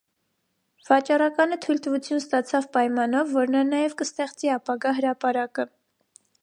Վաճառականը թույլտվություն ստացավ պայմանով, որ նա նաև կստեղծի ապագա հրապարակը։